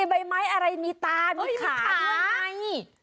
ใบไม้อะไรมีตามีขามีขามีไม้